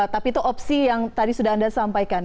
tapi itu opsi yang tadi sudah anda sampaikan